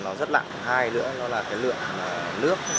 nó rất lạc hai nữa là cái lượng nước